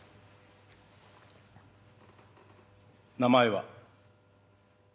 名前は？